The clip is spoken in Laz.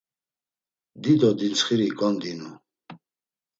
Dido ditsxiri gondinu.